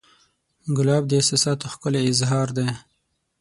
ګلاب د احساساتو ښکلی اظهار دی.